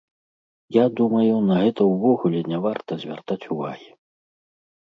Я думаю, на гэта ўвогуле не варта звяртаць увагі.